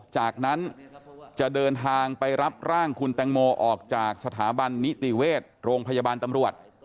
จากนั้นจะเดินทางไปรับร่างคุณแตงโมออกจากสถาบันนิติเวชโรงพยาบาลตำรวจ